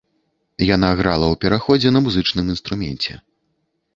Яна грала ў пераходзе на музычным інструменце.